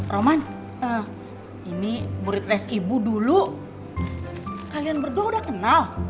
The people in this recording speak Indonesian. roman ini murid les ibu dulu kalian berdua udah kenal